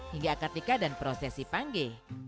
hingga akadika dan prosesi panggi